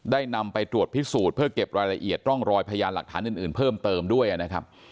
นำไปตรวจพิสูจน์เพื่อเก็บรายละเอียดร่องรอยพยานหลักฐานอื่นเพิ่มเติมด้วยนะครับ